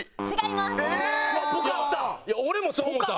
いや俺もそう思うた。